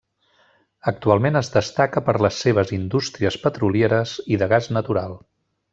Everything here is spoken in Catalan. Actualment es destaca per les seves indústries petrolieres i de gas natural.